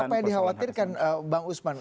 apa yang dikhawatirkan bang usman